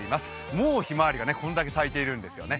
もう、ひまわりがこれだけ咲いているんですよね。